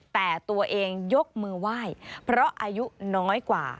แต่ตัวเองยกมือไหว้เพราะอายุน้อยกว่า